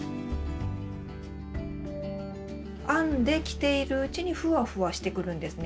編んで着ているうちにふわふわしてくるんですね。